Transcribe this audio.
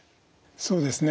そうですね。